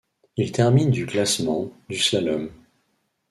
Il termine du classement du slalom.